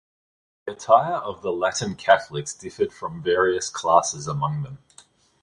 The Attire of the Latin Catholics differed from various classes among them.